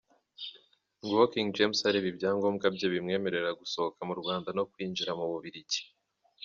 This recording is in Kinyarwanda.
Nguwo King James areba ibyangombwa bye bimwemerera gusohoka mu Rwanda no kwinjira mu Bubiligi.